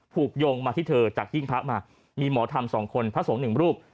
ถูกยงมาที่เธอจากจิ้งพลักษณ์มามีหมอธรรม๒คนพระสงค์๑รูป